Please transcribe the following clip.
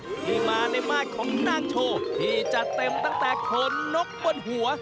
ที่มาในมาตรของนางโชว์ที่จะเต็มตั้งแต่เขินนกบนหัว